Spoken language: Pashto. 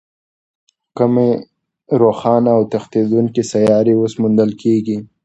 کمې روښانه او تښتېدونکې سیارې اوس موندل کېږي.